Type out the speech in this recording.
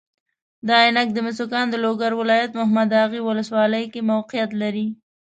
د عینک د مسو کان د لوګر ولایت محمداغې والسوالۍ کې موقیعت لري.